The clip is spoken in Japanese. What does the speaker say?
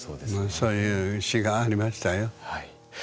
そういう詩がありましたよ。